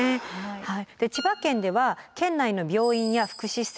で千葉県では県内の病院や福祉施設